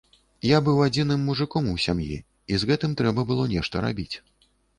Я быў адзіным мужыком у сям'і, і з гэтым трэба было нешта рабіць.